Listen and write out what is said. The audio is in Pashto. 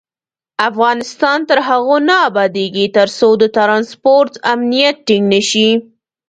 افغانستان تر هغو نه ابادیږي، ترڅو د ترانسپورت امنیت ټینګ نشي.